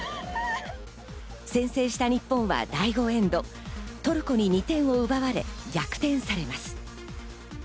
先制した日本は第５エンド、トルコに２点を奪われ、逆転されます。